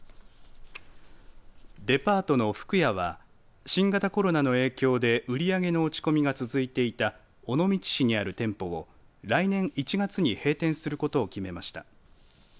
デパートの福屋は新型コロナの影響で売り上げの落ち込みが続いていた尾道市にある店舗を来年１月に閉店することを決めました。